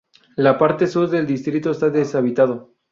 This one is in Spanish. La parte sur del distrito está deshabitado.